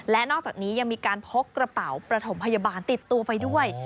และนอกจากนี้ยังมีการพกกระเป๋าประถมพยาบาลติดตัวไปด้วย